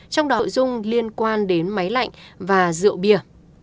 trong đó hội dung liên quan đến máy lạnh và rượu bia